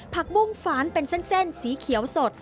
บุ้งฟ้านเป็นเส้นสีเขียวสด